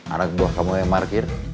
anak buah kamu yang parkir